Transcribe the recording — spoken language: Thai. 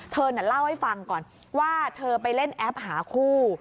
เธอเล่าให้ฟังก่อนว่าเธอไปเล่นแอปหาคู่